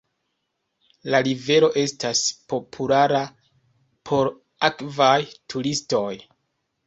La rivero estas populara por akvaj turistoj.